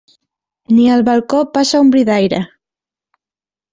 Ni al balcó passa un bri d'aire.